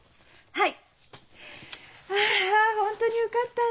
はい！